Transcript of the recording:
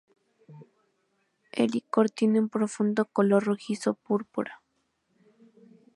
El licor tiene un profundo color rojizo púrpura.